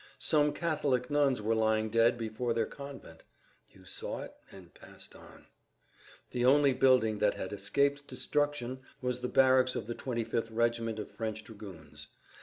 Some Catholic nuns were lying dead before their convent. You saw it and passed on. The only building that had escaped destruction was the barracks of the 25th regiment of French dragoons.